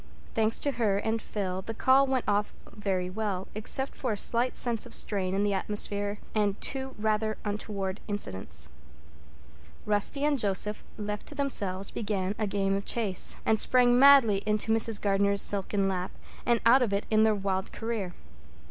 Thanks to her and Phil, the call really went off very well, except for a slight sense of strain in the atmosphere and two rather untoward incidents. Rusty and Joseph, left to themselves, began a game of chase, and sprang madly into Mrs. Gardner's silken lap and out of it in their wild career. Mrs.